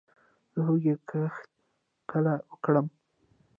د هوږې کښت کله وکړم؟